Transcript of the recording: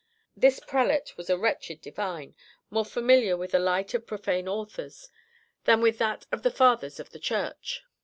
This prelate was a wretched divine, more familiar with the light of profane authors, than with that of the fathers of the Church."